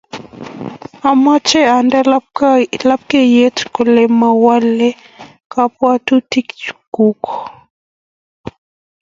Amoche ande lapkeyet kole mawole kabwatutik chuk